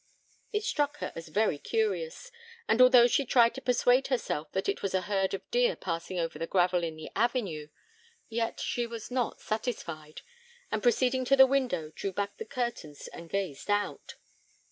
It struck her as very curious; and although she tried to persuade herself that it was a herd of deer passing over the gravel in the avenue, yet she was not satisfied, and proceeding to a window, drew back the curtains and gazed out.